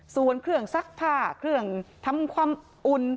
ส่วนเครื่องซักผ้าเครื่องทำความอุ่น